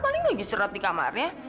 paling lagi surat di kamarnya